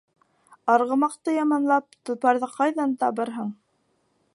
Арғымаҡты яманлап, толпарҙы ҡайҙан табырһың